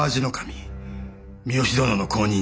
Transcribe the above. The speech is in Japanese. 三好殿の後任だ。